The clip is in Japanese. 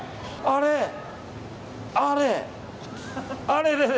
あれれれ？